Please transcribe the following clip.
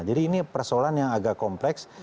jadi ini persoalan yang agak kompleks